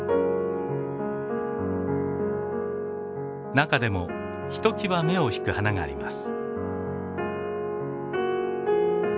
中でもひときわ目を引く花があります。